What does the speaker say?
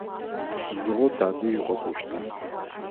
Сыдигъо тадэжь укъэкӏощта?